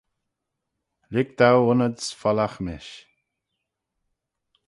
Lhig dou aynyds follagh mish.